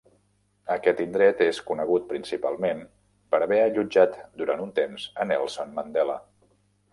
Aquest indret és conegut principalment per haver allotjat durant un temps a Nelson Mandela.